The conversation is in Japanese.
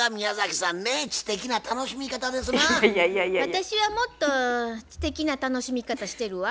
私はもっと知的な楽しみ方してるわ。